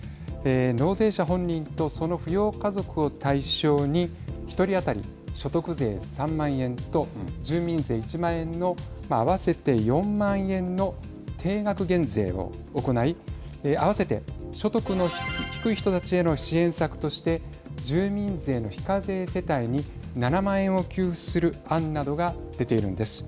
納税者本人とその扶養家族を対象に１人当たり所得税で３万円と住民税１万円の合わせて４万円の定額減税を行い合わせて所得の低い人たちへの支援策として住民税の非課税世帯に７万円を給付する案などが出ているんです。